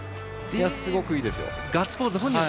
すごくいいですよ。